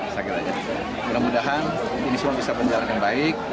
mudah mudahan ini semua bisa berjalan dengan baik